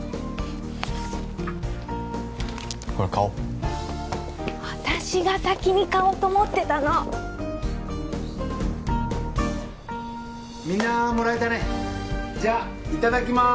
これ買おう私が先に買おうと思ってたのみんなもらえたねじゃあいただきます